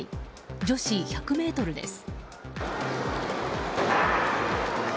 女子１００ｍです。